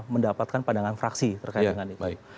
mendapatkan pandangan fraksi terkait dengan itu